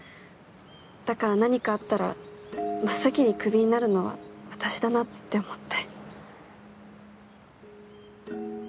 だから何かあったら真っ先にクビになるのは私だなって思って。